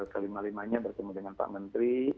kelima limanya bertemu dengan pak menteri